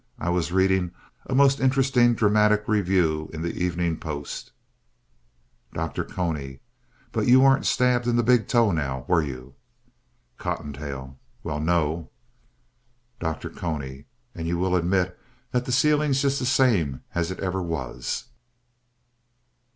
I was reading a most interesting dramatic review in The Evening Post. DR. CONY But you weren't stabbed in the big toe, now, were you? COTTONTAIL Well, no. DR. CONY And you will admit that the ceiling's just the same as it ever was?